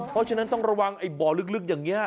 เพราะฉะนั้นต้องระวังไอ้บ่อลึกอย่างนี้